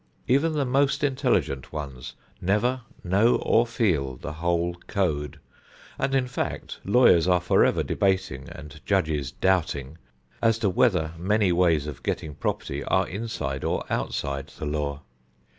Even the most intelligent ones never know or feel the whole code, and in fact, lawyers are forever debating and judges doubting as to whether many ways of getting property are inside or outside the law.